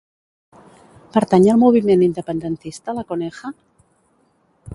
Pertany al moviment independentista la coneja?